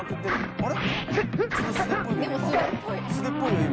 「あれ？」